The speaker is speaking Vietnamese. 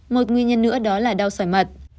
một nguyên nhân nữa đó là đau xoài mật